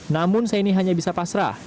namun saini hanya bisa pasrah